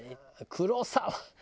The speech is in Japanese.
黒沢。